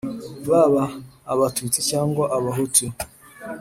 baba abatutsi cyangwa abahutu,